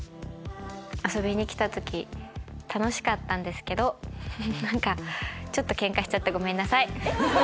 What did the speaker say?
遊びに来た時楽しかったんですけどケンカしちゃってごめんなさい。